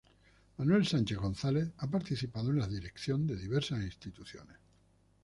Manuel Sánchez González ha participado en la dirección de diversas instituciones.